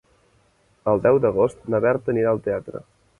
El deu d'agost na Berta anirà al teatre.